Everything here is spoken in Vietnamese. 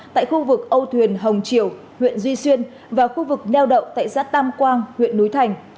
tại khu vực âu thuyền hồng triều huyện duy xuyên và khu vực neo đậu tại xã tam quang huyện núi thành